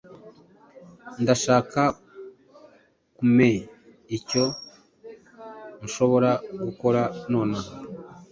Ndashaka kumea icyo nshobora gukora nonaha.